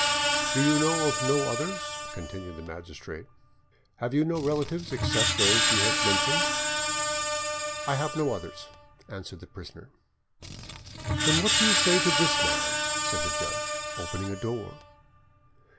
"Do you know of no others?" continued the magistrate. "Have you no relatives except those you have mentioned?" "I have no others," answered the prisoner. "Then what do you say to this man?" said the judge, opening a door.